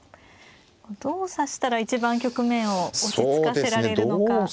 どう指したら一番局面を落ち着かせられるのか。